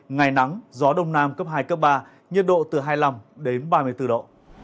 ngày nắng gió đông nam cấp hai cấp ba nhiệt độ từ hai mươi năm đến ba mươi bốn độ